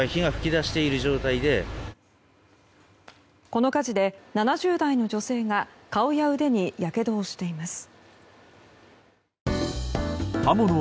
この火事で７０代の女性が顔や腕にやけどをしています。